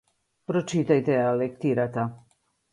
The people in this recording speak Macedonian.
Прочитајте ја лектирата.